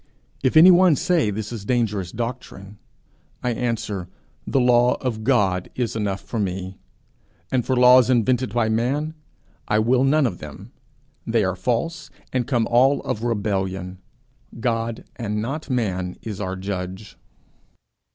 If any one say this is dangerous doctrine, I answer, 'The law of God is enough for me, and for laws invented by man, I will none of them. They are false, and come all of rebellion. God and not man is our judge.'